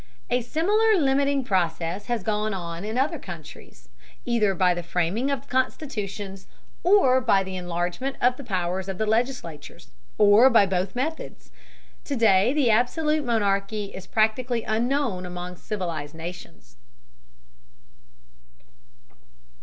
A similar limiting process has gone on in other countries, either by the framing of constitutions, or by the enlargement of the powers of legislatures, or by both methods. To day the absolute monarchy is practically unknown among civilized nations.